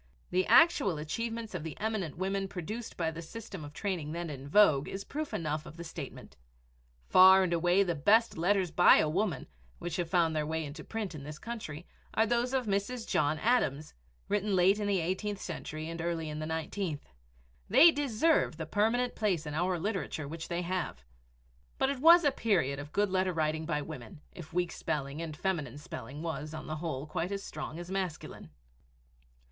The actual achievements of the eminent women produced by the system of training then in vogue is proof enough of the statement. Far and away the best letters by a woman, which have found their way into print in this country, are those of Mrs. John Adams, written late in the eighteenth century and early in the nineteenth. They deserve the permanent place in our literature which they have. But it was a period of good letter writing by women if weak spelling and feminine spelling was, on the whole, quite as strong as masculine!